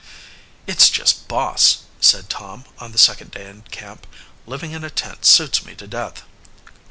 "It's just boss!" said Tom on the second day in camp. "Living in a tent suits me to death."